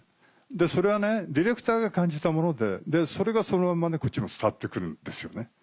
それはねディレクターが感じたものでそれがそのままこっちにも伝わって来るんですよね。